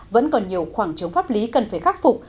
vẫn còn nhiều khoảng trống pháp lý cần phải khắc phục